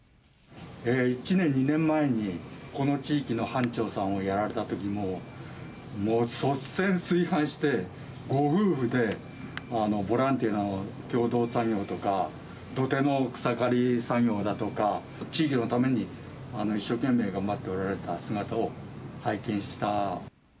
１年、２年前にこの地域の班長さんをやられたときも、もう率先垂範して、ご夫婦でボランティアなど共同作業とか、土手の草刈り作業だとか、地域のために一生懸命頑張っておられた姿を拝見した。